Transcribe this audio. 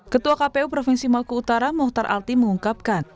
ketua kpu provinsi maluku utara muhtar alti mengungkapkan